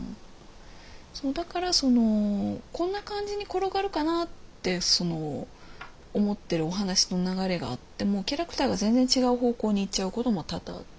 だからその「こんな感じに転がるかな？」って思ってるお話の流れがあってもキャラクターが全然違う方向に行っちゃうことも多々あって。